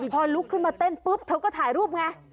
พอลุกขึ้นมาเต้นปุ๊บเธอก็ถ่ายรูปไง